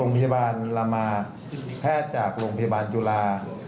โรงพยาบาลลามาแพทย์จากโรงพยาบาลจุฬา